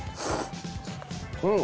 うん。